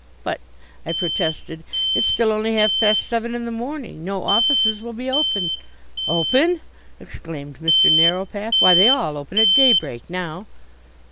"But," I protested, "it's still only half past seven in the morning no offices will be open " "Open!" exclaimed Mr. Narrowpath. "Why! they all open at daybreak now."